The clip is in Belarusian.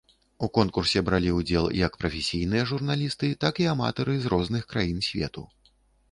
У конкурсе бралі ўдзел як прафесійныя журналісты, так і аматары з розных краін свету.